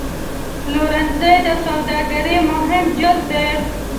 پلورنځی د سوداګرۍ مهم جز دی.